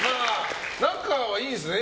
仲は良いんですね。